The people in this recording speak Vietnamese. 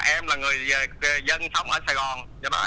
em là người dân sống ở sài gòn